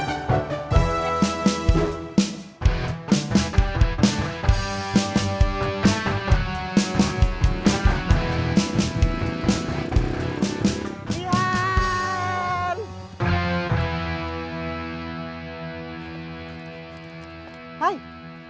iya kang assalamualaikum